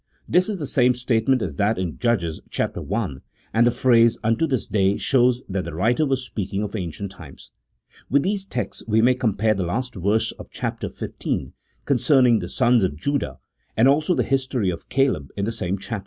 This is the same statement as that in Judges, chap, i., and the phrase " unto this day " shows that the writer was speaking of ancient times. With these texts we may compare the last verse of chap, xv., concern ing the sons of Judah, and also the history of Caleb in the same chap.